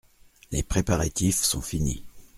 Les préparatifs sont finis.